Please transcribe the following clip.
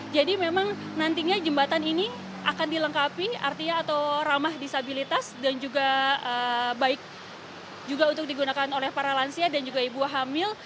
jadi memang nantinya jembatan ini akan dilengkapi artinya atau ramah disabilitas dan juga baik juga untuk digunakan oleh para lansia dan juga ibu hamil